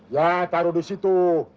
ya taruh disitu